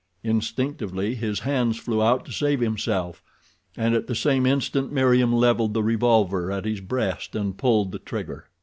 Instinctively his hands flew out to save himself and at the same instant Meriem leveled the revolver at his breast and pulled the trigger.